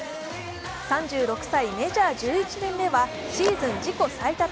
３６歳、メジャー１１年目はシーズン自己最多